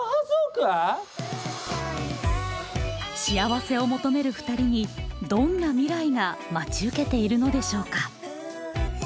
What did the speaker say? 幸せを求めるふたりにどんな未来が待ち受けているのでしょうか？